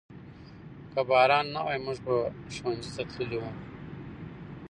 که باران نه وای موږ به ښوونځي ته تللي وو.